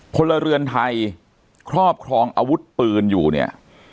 พลเรือนไทยครอบครองอาวุธปืนอยู่เนี่ย